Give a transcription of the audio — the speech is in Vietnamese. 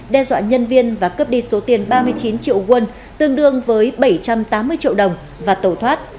đe dọa nhân viên và cướp đi số tiền ba mươi chín triệu won tương đương với bảy trăm tám mươi triệu đồng và tẩu thoát